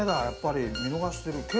やっぱり見逃してる。